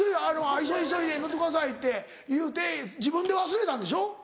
「急いで乗ってください」っていうて自分で忘れたんでしょ。